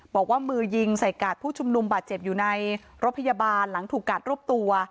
บอกว่ามือยิงใส่กาดผู้ชุมนุมบาดเจ็บอยู่ในรถพยาบาลหลังถูกกาดรวบตัว